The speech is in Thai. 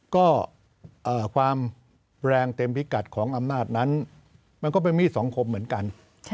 ก็ความแรงเต็มพิกัดของอำนาจนั้นมันก็เป็นมีดสังคมเหมือนกัน